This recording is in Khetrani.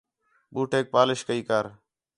بوٹیک پالش کئی کر